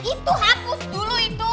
itu hapus dulu itu